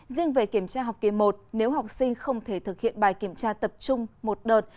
riêng về kiểm tra học kỳ một nếu học sinh không thể thực hiện bài kiểm tra tập trung một đợt